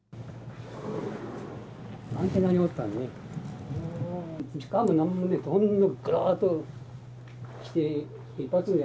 アンテナに落ちたんだね。